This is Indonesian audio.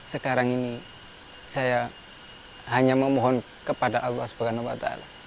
sekarang ini saya hanya memohon kepada allah swt